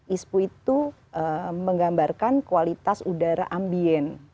ispu itu menggambarkan kualitas udara ambien